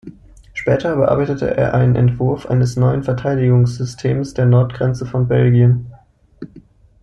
Später bearbeitete er einen Entwurf eines neuen Verteidigungssystems der Nordgrenze von Belgien.